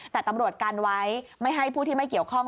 แต่ตำรวจกันไว้ไม่ให้ผู้ที่ไม่เกี่ยวข้อง